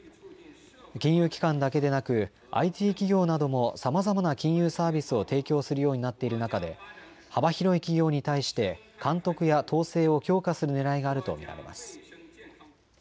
金融機関だけでなくＩＴ企業などもさまざまな金融サービスを提供するようになっている中で幅広い企業に対して監督や統制を強化するねらいがあると見られます。